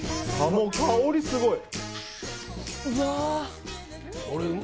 もう香りがすごい。